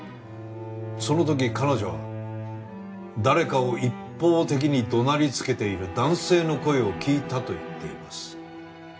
その時彼女は誰かを一方的に怒鳴りつけている男性の声を聞いたと言っています。